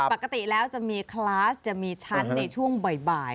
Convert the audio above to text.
ปกติแล้วจะมีคลาสจะมีชั้นในช่วงบ่าย